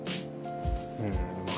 うんまぁ